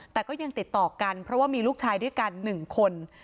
แต่ก็ยังติดต่อกันเพราะว่ามีลูกชายด้วยกัน๑คน